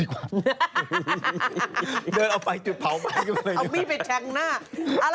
เขาลองมาเผาของอะไรกัน